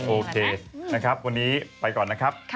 โอเคนะครับวันนี้ไปก่อนนะครับ